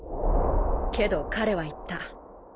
けど彼は言った。